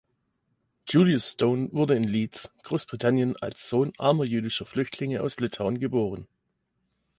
Julius Stone wurde in Leeds, Großbritannien, als Sohn armer jüdischer Flüchtlinge aus Litauen geboren.